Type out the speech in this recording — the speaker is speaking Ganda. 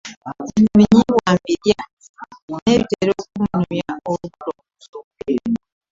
Ebinyeebwa mbira naye bitera okunnumya olubuto.